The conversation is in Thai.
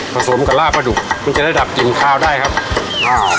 ผสมกับหล้ากประดุมันจะได้ดับกินข้าวได้ครับอ้าว